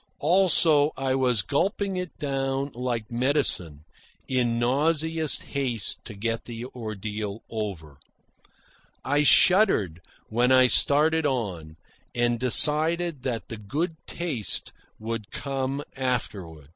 Also, I was gulping it down like medicine, in nauseous haste to get the ordeal over. I shuddered when I started on, and decided that the good taste would come afterward.